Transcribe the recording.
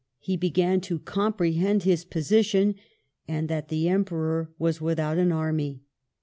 ... He began to comprehend his position, and that the Emperor was with out an army."